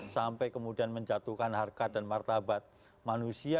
sampai kemudian menjatuhkan harkat dan martabat manusia